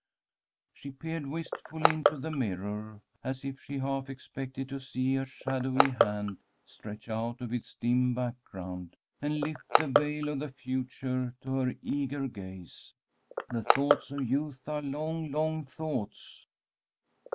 She peered wistfully into the mirror, as if she half expected to see a shadowy hand stretch out of its dim background, and lift the veil of the future to her eager gaze. "The thoughts of youth are long, long thoughts."